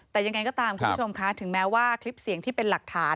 แต่ยังไงก็ตามคุณผู้ชมคะถึงแม้ว่าคลิปเสียงที่เป็นหลักฐาน